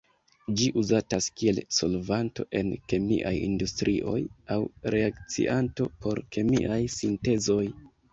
Ĝi uzatas kiel solvanto en kemiaj industrioj aŭ reakcianto por kemiaj sintezoj.